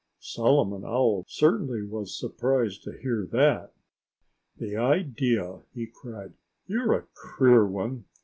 Solomon Owl certainly was surprised to hear that. "The idea!" he cried. "You're a queer one!